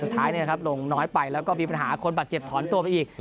สุดท้ายลงน้อยไปแล้วก็มีปัญหาคนบาดเจ็บถอนตัวไปอีก